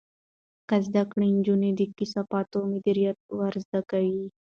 زده کړه نجونو ته د کثافاتو مدیریت ور زده کوي.